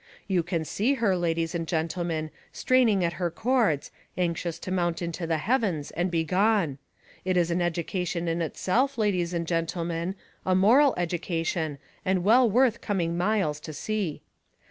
You can see her, ladies and gentlemen, straining at her cords, anxious to mount into the heavens and be gone! It is an education in itself, ladies and gentlemen, a moral education, and well worth coming miles to see.